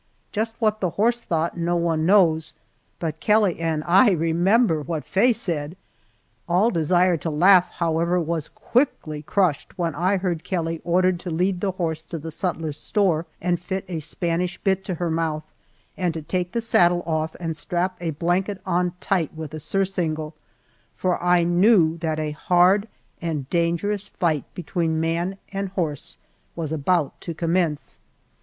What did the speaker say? Just what the horse thought no one knows, but Kelly and I remember what Faye said! All desire to laugh, however, was quickly crushed when I heard Kelly ordered to lead the horse to the sutler's store, and fit a Spanish bit to her mouth, and to take the saddle off and strap a blanket on tight with a surcingle, for I knew that a hard and dangerous fight between man and horse was about to commence.